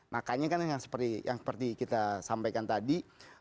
makanya kan yang seperti kita sampaikan tadi